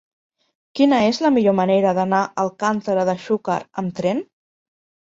Quina és la millor manera d'anar a Alcàntera de Xúquer amb tren?